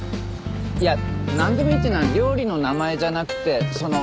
いやなんでもいいっていうのは料理の名前じゃなくてその。